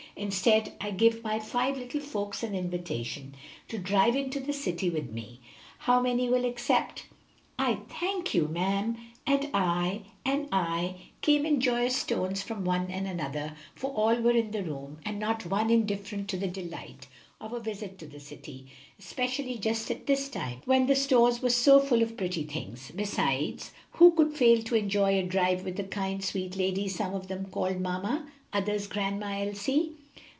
Instead, I give my five little folks an invitation to drive into the city with me. How many will accept?" "I, thank you, ma'am," "and I," "and I," came in joyous tones from one and another, for all were in the room, and not one indifferent to the delight of a visit to the city, especially just at this time when the stores were so full of pretty things. Besides, who could fail to enjoy a drive with the kind, sweet lady some of them called mamma, others Grandma Elsie?